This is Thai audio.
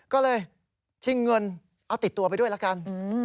ก็เลยชิงเงินเอาติดตัวไปด้วยละกัน